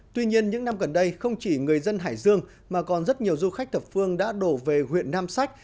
tuy nhiên những năm gần đây không chỉ người dân hải dương mà còn rất nhiều du khách thập phương đã đổ về huyện nam sách